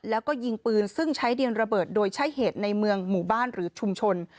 แล้วก็ยิงปืนซึ่งใช้ดินระเบิดโดยใช้เหตุในเมืองหมู่บ้านหรือชุมชน